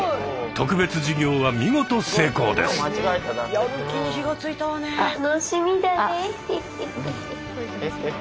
特別授業は見事成功です。